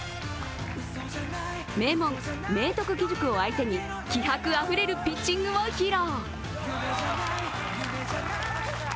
名門・明徳義塾を相手に気迫あふれるピッチングを披露。